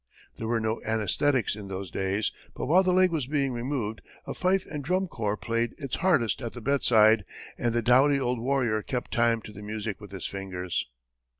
There were no anaesthetics in those days, but while the leg was being removed, a fife and drum corps played its hardest at the bedside, and the doughty old warrior kept time to the music with his fingers.